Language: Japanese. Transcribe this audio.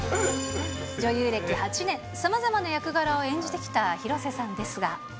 女優歴８年、さまざまな役柄を演じてきた広瀬さんですが。